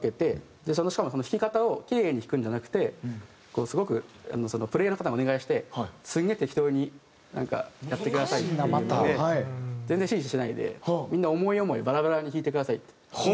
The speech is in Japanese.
でしかも弾き方をキレイに弾くんじゃなくてすごくプレイヤーの方にお願いしてすげえ適当にやってくださいっていうので全然指示しないで「みんな思い思いバラバラに弾いてください」って。